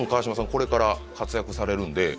これから活躍されるんで」